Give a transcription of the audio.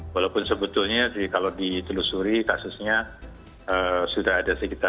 walaupun sebetulnya kalau ditelusuri kasusnya sudah ada sekitar